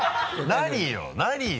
何よ？